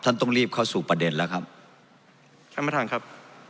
ต้องรีบเข้าสู่ประเด็นแล้วครับท่านประธานครับ